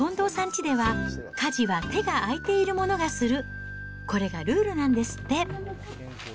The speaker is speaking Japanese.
ちでは、家事は手が空いている者がする、これがルールなんですって。